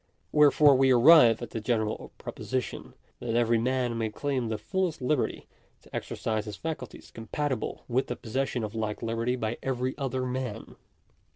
Wherefore we arrive at the general proposition, that 1 every man may claim the fullest liberty to exercise his facul ! ties compatible with the possession of like liberty by every other man.